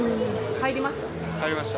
入りました？